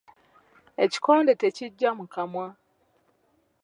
Ekikonde tekigya mu kamwa.